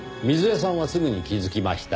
瑞枝さんはすぐに気づきました。